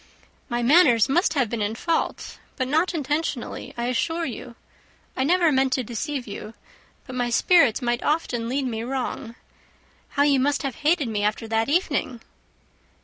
"My manners must have been in fault, but not intentionally, I assure you. I never meant to deceive you, but my spirits might often lead me wrong. How you must have hated me after that evening!"